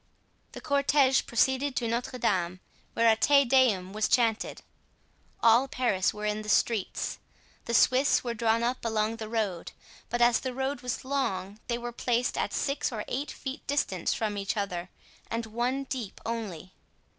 The cortege proceeded to Notre Dame, where a Te Deum was chanted. All Paris were in the streets. The Swiss were drawn up along the road, but as the road was long, they were placed at six or eight feet distant from each other and one deep only.